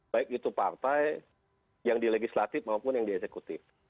baik itu partai yang di legislatif maupun yang di eksekutif